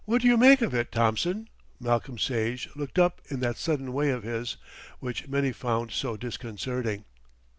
"What do you make of it, Thompson?" Malcolm Sage looked up in that sudden way of his, which many found so disconcerting.